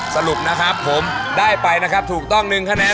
สรุปนะครับผมได้ไปนะครับถูกต้อง๑คะแนน